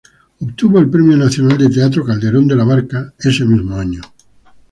Obtuvo el Premio Nacional de Teatro Calderón de la Barca ese mismo año.